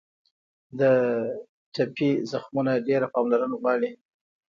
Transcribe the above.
د ټپي زخمونه ډېره پاملرنه غواړي.